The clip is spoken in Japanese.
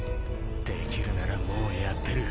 できるならもうやってる。